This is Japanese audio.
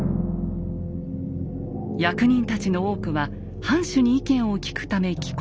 役人たちの多くは藩主に意見を聞くため帰国。